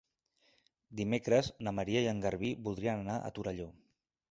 Dimecres na Maria i en Garbí voldrien anar a Torelló.